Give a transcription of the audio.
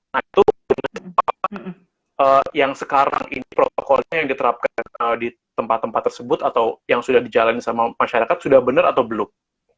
nah itu apa yang sekarang ini protokolnya yang diterapkan di tempat tempat tersebut atau yang sudah dijalani sama masyarakat sudah benar atau belum